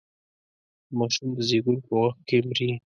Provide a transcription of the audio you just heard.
د ماشوم د زېږون په وخت کې مري.